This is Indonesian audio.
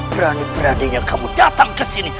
berani beraninya kamu datang kesini